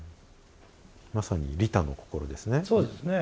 まさに利他の心ですね。